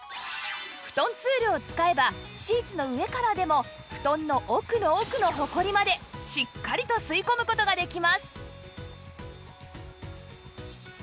フトンツールを使えばシーツの上からでも布団の奥の奥のホコリまでしっかりと吸い込む事ができます